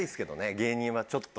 芸人はちょっと。